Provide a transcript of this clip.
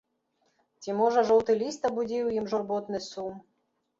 Ці можа жоўты ліст абудзіў у ім журботны сум.